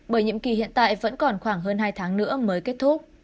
bởi nhiệm kỳ hiện tại vẫn còn khoảng hơn hai tháng nữa mới kết thúc